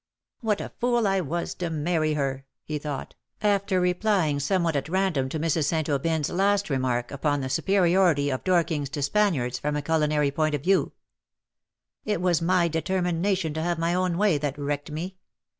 " What a fool I was to marry her/^ he thought, after replying somewhat at random to Mrs. St. Aubyn^s last remark upon the superiority of Dor kings to Spaniards from a culinary point of view. *' It was my determination to have my own way that wrecked me.